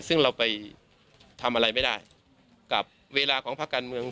ซึ่งเราไปทำอะไรไม่ได้กับเวลาของภาคการเมือง